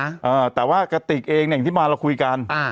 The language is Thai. อ่าแต่ว่ากระติกเองเนี่ยอย่างที่มาเราคุยกันอ่า